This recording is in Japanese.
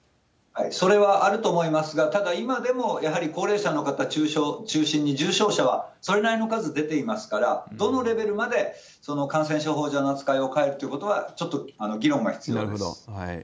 それはあると思いますが、ただ、今でもやはり高齢者の方中心に重症者はそれなりの数出ていますから、どのレベルまでその感染症法上の扱いを変えるということはちょっなるほど。